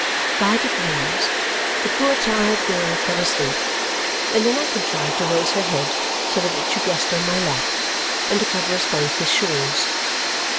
By degrees the poor tired girl fell asleep, and then I contrived to raise her head so that it should rest on my lap, and to cover us both with shawls.